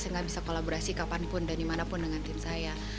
sehingga bisa kolaborasi kapanpun dan dimanapun dengan tim saya